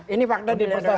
ini faktanya di persetaraan